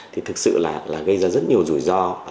thì thực sự là gây ra rất nhiều rủi ro